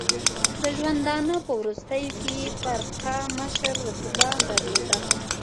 د ژوندانه په وروستیو کې یې فرقه مشر رتبه درلوده.